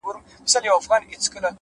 ملا صاحب دې گرځي بې ايمانه سرگردانه”